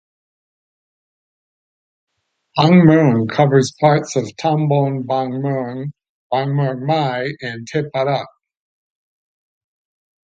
Bang Mueang covers parts of tambon Bang Mueang, Bang Mueang Mai and Thepharak.